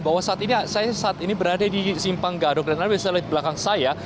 bahwa saat ini saya saat ini berada di simpang gadok dan anda bisa lihat belakang saya